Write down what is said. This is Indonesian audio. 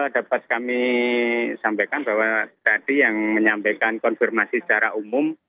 dapat kami sampaikan bahwa tadi yang menyampaikan konfirmasi secara umum